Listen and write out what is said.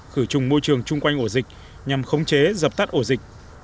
khử trùng môi trường chung quanh ổ dịch nhằm khống chế dập tắt ổ dịch